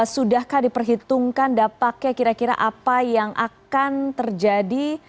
sudahkah diperhitungkan dampaknya kira kira apa yang akan terjadi